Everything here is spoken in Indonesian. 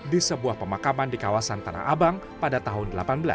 di sebuah pemakaman di kawasan tanah abang pada tahun seribu delapan ratus enam puluh